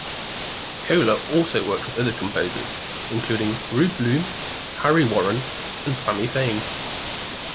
Koehler also worked with other composers, including Rube Bloom, Harry Warren and Sammy Fain.